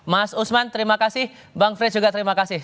mas usman terima kasih bang frits juga terima kasih